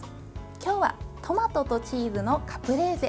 今日はトマトとチーズのカプレーゼ。